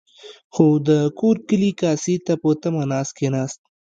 خو د کورو کلي کاسې ته په تمه نه کېناست.